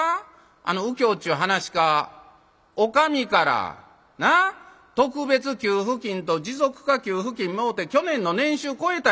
あの右喬ちゅう噺家お上から特別給付金と持続化給付金もろて去年の年収超えた